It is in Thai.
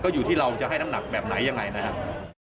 อยู่ที่เราจะให้น้ำหนักแบบไหนยังไงนะครับ